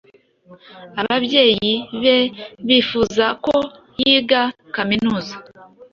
Ababyeyi be bifuza ko yiga kaminuza.